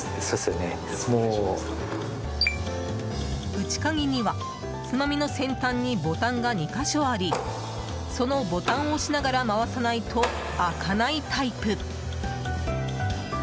内鍵には、つまみの先端にボタンが２か所ありそのボタンを押しながら回さないと、開かないタイプ。